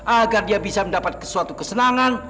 agar dia bisa mendapatkan kesuatu kesenangan